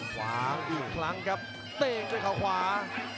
ขวางอีกครั้งครับเต้งด้วยเขาขวา